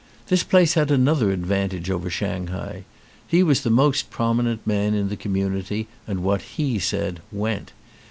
This place had another advantage over Shanghai: he was the most prominent man in the community and what he said went.